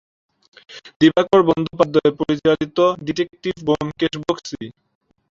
দিবাকর বন্দ্যোপাধ্যায় পরিচালিত "ডিটেকটিভ ব্যোমকেশ বক্সী!"